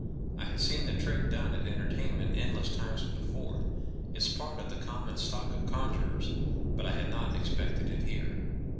I had seen the trick done at entertainments endless times before—it's part of the common stock of conjurers—but I had not expected it here.